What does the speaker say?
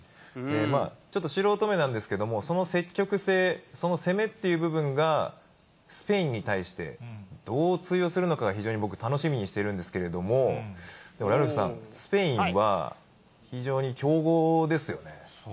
ちょっと素人目なんですけども、その積極性、その攻めっていう部分が、スペインに対して、どう通用するのかが、非常に僕、楽しみにしているんですけれども、でも、ラルフさん、スペインは非常に強豪ですよね。